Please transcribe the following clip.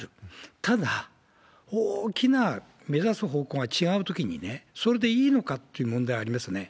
ただ、大きな目指す方向が違うときに、それでいいのかっていう問題はありますね。